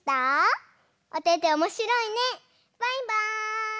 バイバーイ！